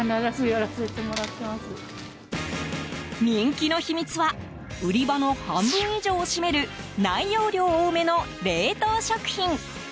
人気の秘密は売り場の半分以上を占める内容量多めの冷凍食品。